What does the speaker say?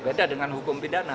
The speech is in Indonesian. beda dengan hukum pidana